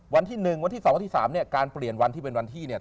วันที่๑วันที่๒วันที่๓เนี่ยการเปลี่ยนวันที่เป็นวันที่เนี่ย